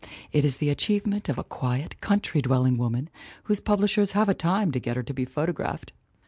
It is the achievement of a quiet, country dwelling woman whose publishers have a time to get her to be photographed!